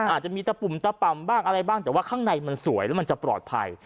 อาจจะมีตะปุ่มตะป่ำบ้างอะไรบ้างแต่ว่าข้างในมันสวยแล้วมันจะปลอดภัย